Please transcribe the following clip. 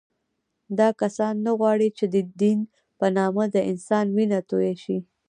دا کسان نه غواړي چې د دین په نامه د انسان وینه تویه شي